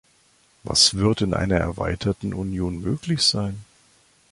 Was wird in einer erweiterten Union möglich sein?